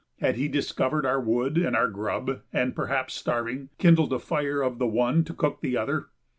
Had he discovered our wood and our grub and, perhaps starving, kindled a fire of the one to cook the other?